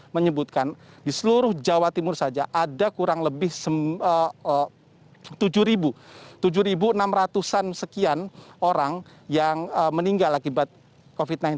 menyebutkan di seluruh jawa timur saja ada kurang lebih tujuh enam ratus an sekian orang yang meninggal akibat covid sembilan belas